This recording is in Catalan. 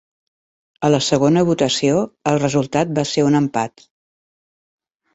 A la segona votació el resultat va ser un empat